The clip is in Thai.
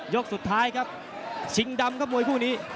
ยกสุดท้ายครับชิงดำครับมวยคู่นี้